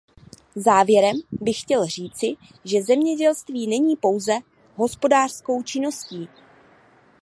Závěrem bych chtěl říci, že zemědělství není pouze hospodářskou činností.